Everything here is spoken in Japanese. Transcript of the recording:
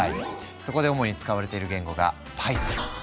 そこで主に使われている言語が「Ｐｙｔｈｏｎ」。